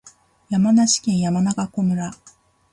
山梨県山中湖村